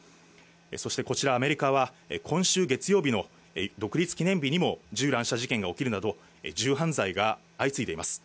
そしてこちら、アメリカは、今週月曜日の独立記念日にも銃乱射事件が起きるなど、銃犯罪が相次いでいます。